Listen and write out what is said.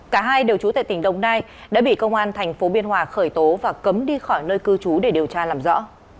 cả hai đều trú tại tỉnh đồng nai đã bị công an tp biên hòa khởi tố và cấm đi khỏi nơi cư trú để điều tra làm rõ